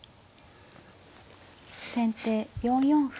先手４四歩。